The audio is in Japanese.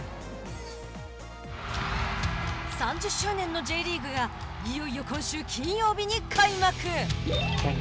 ３０周年のＪリーグがいよいよ今週金曜日に開幕。